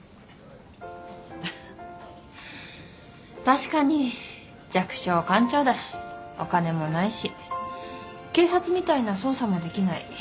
確かに弱小官庁だしお金もないし警察みたいな捜査もできない。